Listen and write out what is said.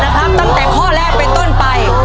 ตั้งแต่ข้อแรกไปต้นไป